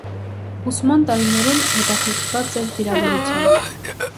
Ուսման տարիներուն հետաքրքրուած է վիրաբուժութեամբ։